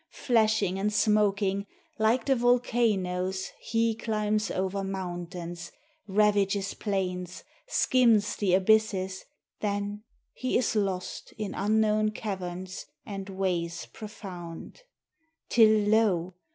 Flashing and smoking, Like the volcanoes, he Climbs over mountains, Ravages plains, Skims the abysses; Then he is lost In unknown caverns And ways profound, Till lo!